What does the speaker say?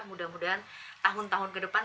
mudah mudahan tahun tahun ke depan